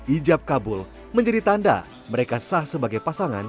ijab kabul menjadi tanda mereka sah sebagai pasangan